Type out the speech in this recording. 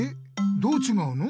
どうちがうの？